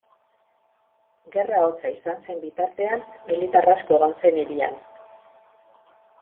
Gerra hotza izan zen bitartean militar asko egon zen hirian.